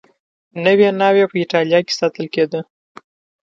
نوې ناوې په اېټالیا کې ساتل کېده